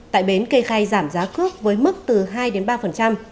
tại bến kê khai giảm giá cước với mức từ hai đến ba